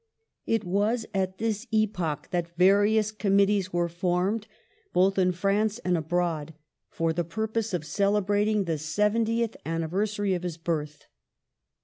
It was at this epoch that various committees were formed, both in France and abroad, for the purpose of celebrating the seventieth anni versary of his birth.